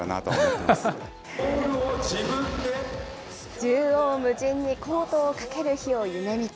縦横無尽にコートをかける日を夢みて。